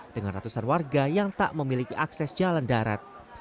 dengan ratusan warga yang tak memiliki akses jalan darat